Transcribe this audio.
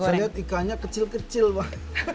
saya lihat ikannya kecil kecil pak